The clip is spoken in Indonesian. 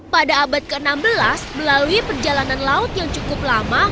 pada abad ke enam belas melalui perjalanan laut yang cukup lama